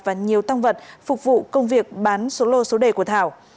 và nhiều tăng vật phục vụ công việc bán số lô số đề của thảo